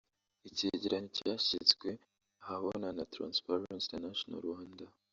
Icyegeranyo cyashyizwe ahabona na Transparency International Rwanda